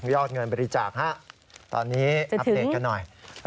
ยอดเงินบริจาคฮะตอนนี้อัปเดตกันหน่อย